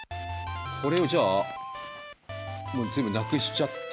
これをじゃあ全部なくしちゃって。